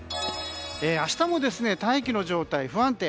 明日も大気の状態、不安定。